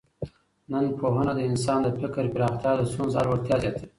ننپوهنه د انسان د فکر پراختیا او د ستونزو د حل وړتیا زیاتوي.